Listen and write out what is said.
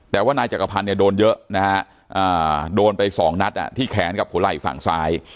แต่ว่านายจักรภัณฑ์โดนเยอะโดนไป๒นัทที่แขนกับหัวไล่ฝั่งซ้าย